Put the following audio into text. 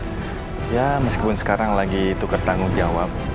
insya allah keadaan kami berdua baik baik aja bu